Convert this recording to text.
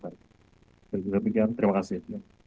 jadi seperti itu terima kasih